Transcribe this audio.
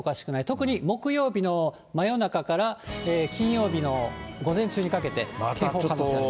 特に木曜日の真夜中から金曜日の午前中にかけて警報の可能性あり